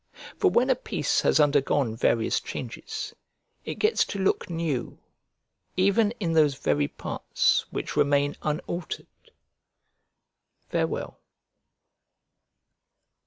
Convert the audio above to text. For when a piece has undergone various changes, it gets to look new, even in those very parts which remain unaltered. Farewell.